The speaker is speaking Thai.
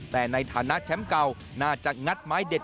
แต่ในฐานะแชมป์เก่าน่าจะงัดไม้เด็ด